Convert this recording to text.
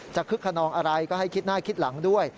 คึกขนองอะไรก็ให้คิดหน้าคิดหลังด้วย